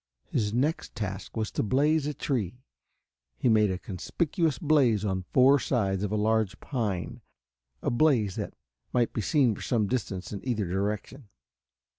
His next task was to blaze a tree. He made a conspicuous blaze on four sides of a large pine, a blaze that might be seen for some distance in either direction.